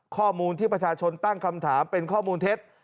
ข้อมูลที่ประชาชนตั้งคำถามเป็นข้อมูลเท็จ